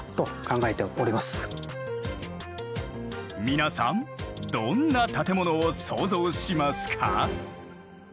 皆さんどんな建物を想像しますか？